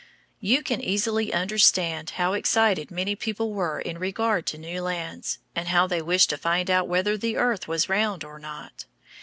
You can easily understand how excited many people were in regard to new lands, and how they wished to find out whether the earth was round or not.